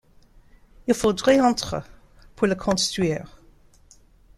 Il faudrait entre pour le construire.